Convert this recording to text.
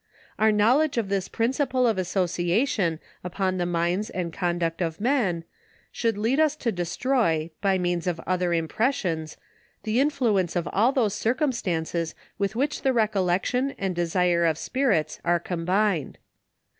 Our knowledge of this principle of associa tion upon the minds and conduct of men, should lead us to destroy, by means of other impressions, the influence of all those circumstances, with which the recollection and desire of spirits are combined.